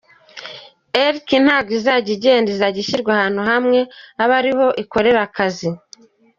Elliq ntabwo izaba igenda, izajya ishyirwa ahantu hamwe abe ariho ikorera akazi.